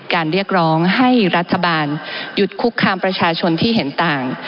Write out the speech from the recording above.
เรียกร้องให้รัฐบาลหยุดคุกคามประชาชนที่เห็นต่าง